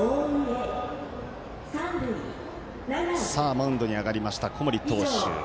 マウンドに上がりました小森投手。